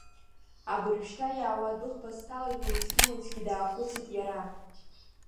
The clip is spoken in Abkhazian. Абыржәшьҭа иаауа адәыӷба сҭалоит уеизгьы-уеизгьы, даахәыцит иара.